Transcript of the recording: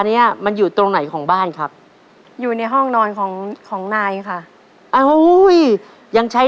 ตัวเลือดที่๓ม้าลายกับนกแก้วมาคอ